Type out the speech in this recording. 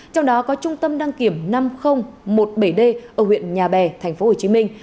trong đó có trung tâm đăng kiểm năm nghìn một mươi bảy d ở huyện nhà bè tp hcm